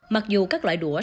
mặc dù các loại đũa